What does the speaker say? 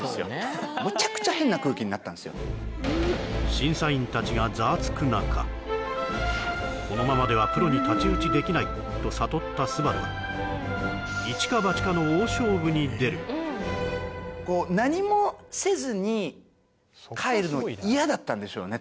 審査員たちがざわつく中このままではプロに太刀打ちできないと悟った昴は一か八かの大勝負に出るんでしょうね